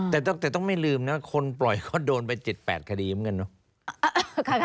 แต่ต้องไม่ลืมนะคนปล่อยเขาโดนไป๗๘คดีเหมือนกันเนอะ